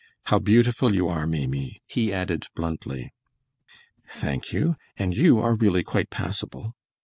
"How beautiful you are, Maimie," he added, bluntly. "Thank you, and you are really quite passable."